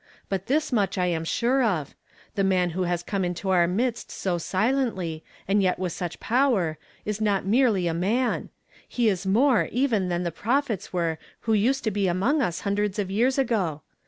Hut this niucli I am Htire of, — the niiiii who has eome into our midst so silently, and yet with such power, is not mer<;ly a man ; he is more even than the prophets were who used to be among us hundreds of yeara aj,'o.